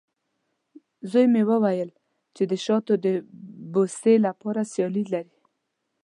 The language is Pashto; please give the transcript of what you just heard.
زوی مې وویلې، چې د شات د بوسې لپاره سیالي لري.